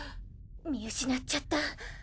見失っちゃった。